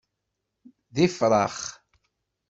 D ifṛax.